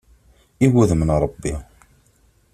I wuddem n Ṛebbi!